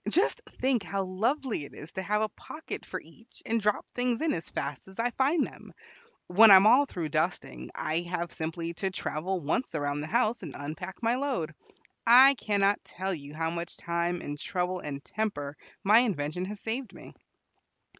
Just think how lovely it is to have a pocket for each, and drop things in as fast as I find them. When I am all through dusting, I have simply to travel once around the house and unpack my load. I cannot tell you how much time and trouble and temper my invention has saved me."